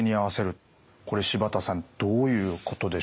これ柴田さんどういうことでしょうか？